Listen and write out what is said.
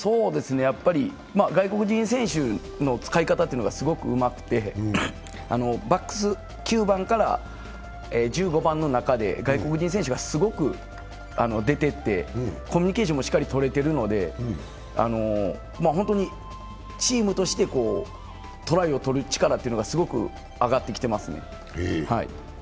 外国人選手の使い方というのがすごくうまくて、バックス、９番から１５番の中で外国人選手がすごく出てて、コミュニケーションもしっかり取れてるので本当にチームとしてトライを取る力がすごく上がってきてますね。